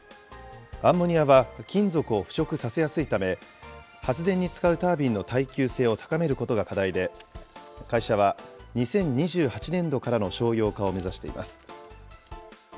アンモニアは金属を腐食させやすいため、発電に使うタービンの耐久性を高めることが課題で、会社は２０２８年度からの商用化を目指しています。